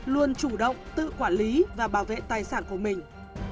luôn chủ động tự quản lý và bảo vệ tài sản của mình